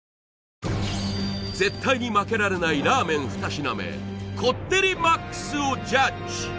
絶対に負けられないラーメン２品目こってりＭＡＸをジャッジ！